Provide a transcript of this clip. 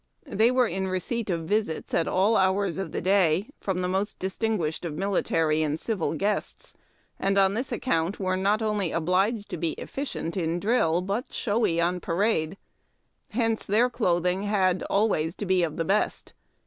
They were in receipt of visits at all hours in the day from the most distinguished of military and civil guests, and on this account were not only obliged to be efficient in drill but showy on parade. Hence their clothing had always to be of the best.